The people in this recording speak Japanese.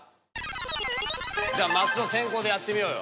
じゃあ松尾先攻でやってみようよ。